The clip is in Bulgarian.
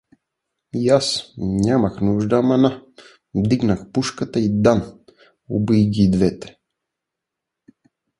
И аз — нямах нужда, ама на — дигнах пушката и дан! — убих ги и двете…